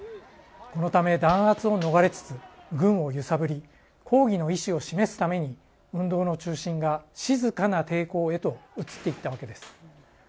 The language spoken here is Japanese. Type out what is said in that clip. このため、弾圧を逃れつつ軍を揺さぶり抗議の意思を示すために運動の中心が静かな抵抗へと移っていったわけです。